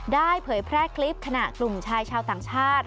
เผยแพร่คลิปขณะกลุ่มชายชาวต่างชาติ